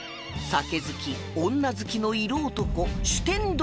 酒好き女好きの色男